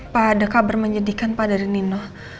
pak ada kabar menyedihkan pak dari nino